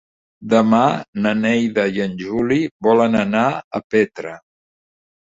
Demà na Neida i en Juli volen anar a Petra.